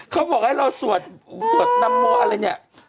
เขาบอกให้เราสวดนำโมอะไรอย่างนี้